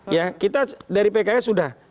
ya kita dari pks sudah